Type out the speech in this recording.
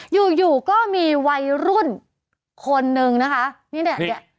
อยู่อยู่ก็มีวัยรุ่นคนนึงนะคะนี่เนี่ย